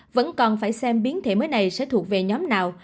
vẫn còn phải xem biến thể mới này sẽ thuộc về nhóm nào